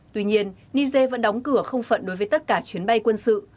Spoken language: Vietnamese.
tuy nhiên niger vẫn đóng cửa không phận đối với tất cả chuyến bay quân sự